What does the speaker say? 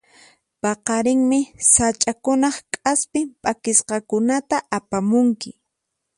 Paqarinmi sach'akunaq k'aspin p'akisqakunata apamunki.